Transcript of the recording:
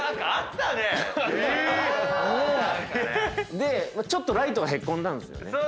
でちょっとライトがへっこんだんですよね。